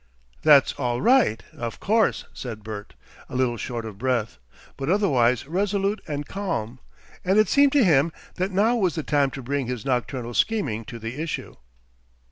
"That's all right, of course," said Bert, a little short of breath, but otherwise resolute and calm; and it seemed to him that now was the time to bring his nocturnal scheming to the issue.